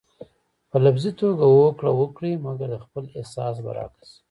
په لفظي توګه هوکړه وکړئ مګر د خپل احساس برعکس.